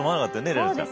怜奈ちゃん。